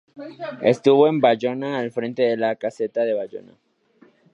Estuvo en Bayona al frente de la "Gaceta de Bayona".